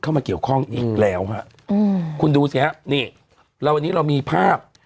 เข้ามาเกี่ยวข้องอีกแล้วฮะอืมคุณดูสิฮะนี่แล้ววันนี้เรามีภาพ